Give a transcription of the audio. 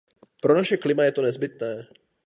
Pro naše klima je to nezbytné.